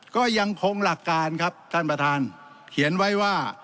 ก็ยังคงหลักการครับท่านประธานเขียนไว้ว่า